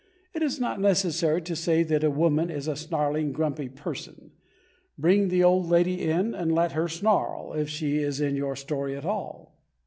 It is not necessary to say that a woman is a snarling, grumpy person. Bring the old lady in, and let her snarl, if she is in your story at all.